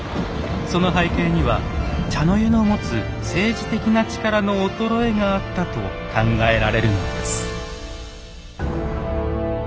その背景には茶の湯の持つ政治的な力の衰えがあったと考えられるのです。